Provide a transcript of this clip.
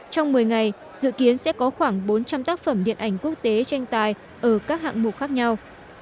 trong một mươi ngày dự kiến sẽ có khoảng bốn trăm linh tác phẩm điện ảnh quốc tế tranh tài ở các hạng mục khác nhau